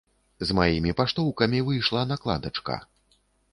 З маімі паштоўкамі выйшла накладачка.